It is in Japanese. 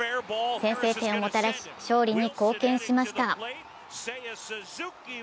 先制点をもたらし勝利に貢献しました。